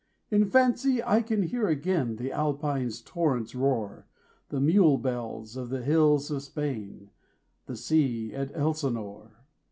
In fancy I can hear again The Alpine torrent's roar, The mule bells on the hills of Spain, 15 The sea at Elsinore.